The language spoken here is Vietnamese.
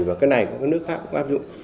và cái này cũng có nước khác cũng có áp dụng